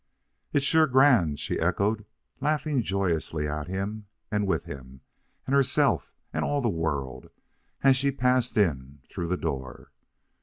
"It's sure grand," she echoed, laughing joyously at him and with him and herself and all the world, as she passed in through the door.